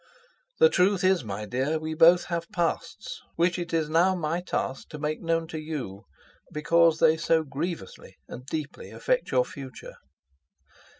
The truth is, my dear, we both have pasts, which it is now my task to make known to you, because they so grievously and deeply affect your future.